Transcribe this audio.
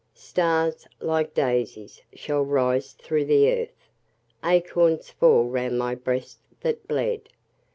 Stars, like daisies, shall rise through the earth, Acorns fall round my breast that bled.